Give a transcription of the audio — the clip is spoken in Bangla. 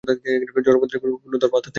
জড়পদার্থের কোন ধর্ম আত্মাতে নাই।